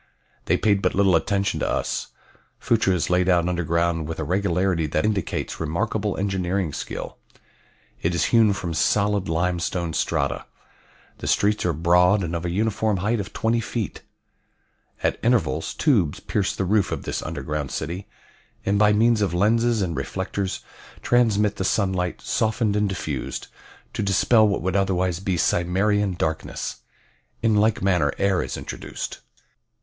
They paid but little attention to us. Phutra is laid out underground with a regularity that indicates remarkable engineering skill. It is hewn from solid limestone strata. The streets are broad and of a uniform height of twenty feet. At intervals tubes pierce the roof of this underground city, and by means of lenses and reflectors transmit the sunlight, softened and diffused, to dispel what would otherwise be Cimmerian darkness. In like manner air is introduced.